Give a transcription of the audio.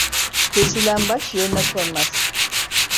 Kesilen baş yerine konmaz.